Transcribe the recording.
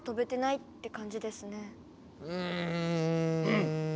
うん。